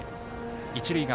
一塁側。